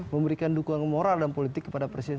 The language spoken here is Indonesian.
memberikan dukungan moral dan politik kepada presiden